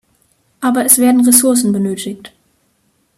Aber es werden Ressourcen benötigt.